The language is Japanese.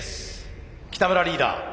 北村リーダー